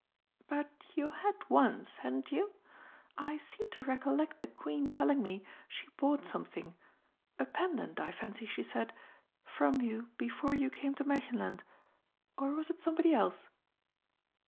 "But you had once, hadn't you? I seem to recollect the Queen telling me she bought something a pendant, I fancy she said from you before you came to Märchenland. Or was it somebody else?"